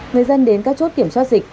người dân đến các chốt kiểm tra dịch